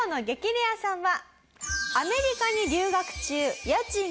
レアさんは。